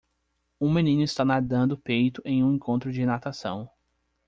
Um menino está nadando peito em um encontro de natação.